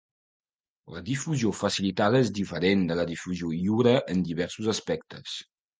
La difusió facilitada és diferent de la difusió lliure en diversos aspectes.